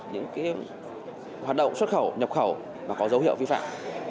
những hoạt động xuất khẩu nhập khẩu có dấu hiệu vi phạm